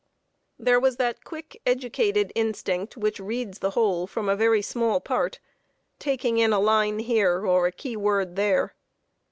] There was that quick, educated instinct, which reads the whole from a very small part, taking in a line here and a key word there.